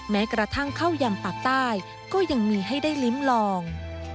แม้กระทั่งเข้ายังปากใต้ก็ยังมีให้ได้ลิ้มลอง